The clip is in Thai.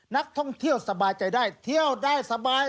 นักท่องเที่ยวสบายใจได้เที่ยวได้สบาย